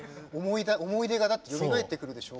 思い出がだってよみがえってくるでしょ？